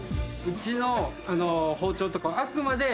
うちの包丁とかはあくまで。